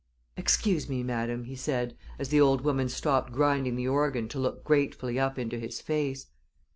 "Excuse me, madam," he said, as the old woman stopped grinding the organ to look gratefully up into his face.